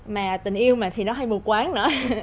mà tình yêu mà thì nó hay mù quáng nữa